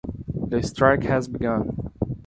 The strike had begun.